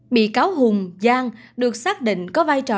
bị cáo hùng giang được xác định có vai trò